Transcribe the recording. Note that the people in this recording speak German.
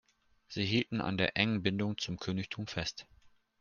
Sie hielten an der engen Bindung zum Königtum fest.